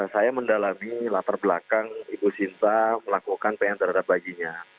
saya mendalami latar belakang ibu sinta melakukan pengantaran baginya